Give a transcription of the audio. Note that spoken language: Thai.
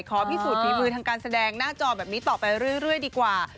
ขอพิสูจนฝีมือทางการแสดงหน้าจอแบบนี้ต่อไปเรื่อยดีกว่า